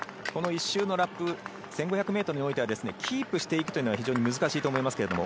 １周のラップ１５００ｍにおいてはキープしていくというのは非常に難しいと思います。